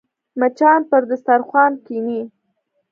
مچان پر دسترخوان کښېني